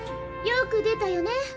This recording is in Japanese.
よく出たよね。